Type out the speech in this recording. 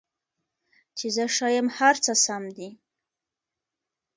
چې زه ښه یم، هر څه سم دي